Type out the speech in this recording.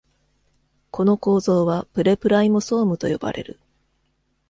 この構造はプレプライモソームとよばれる。